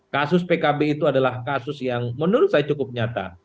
kasus pkb itu adalah kasus yang menurut saya cukup nyata